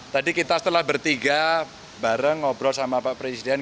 tadi kita setelah bertiga bareng ngobrol sama pak presiden